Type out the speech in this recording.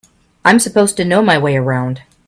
I'm supposed to know my way around.